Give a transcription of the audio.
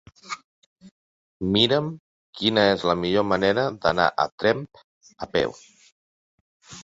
Mira'm quina és la millor manera d'anar a Tremp a peu.